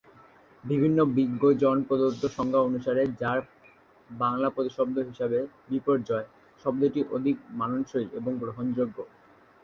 বিভিন্ন বিজ্ঞ জন প্রদত্ত সংজ্ঞা অনুসারে যার বাংলা প্রতিশব্দ হিসেবে ‘বিপর্যয়’শব্দটিই অধিক মানানসই এবং গ্রহণযোগ্য।